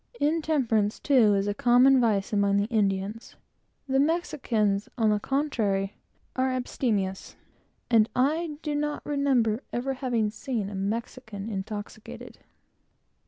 Intemperance, too, is a common vice among the Indians. The Spaniards, on the contrary, are very abstemious, and I do not remember ever having seen a Spaniard intoxicated.